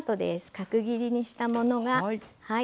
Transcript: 角切りにしたものが。